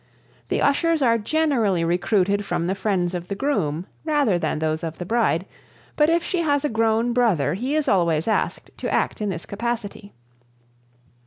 The ushers are generally recruited from the friends of the groom rather than those of the bride, but if she has a grown brother he is always asked to act in this capacity.